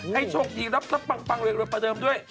โชคดีรับทรัพย์ปังเร็วประเดิมด้วย